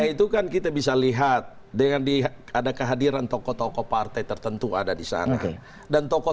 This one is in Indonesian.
itu kan kita bisa lihat dengan di ada kehadiran tokoh tokoh partai tertentu ada di sana dan tokoh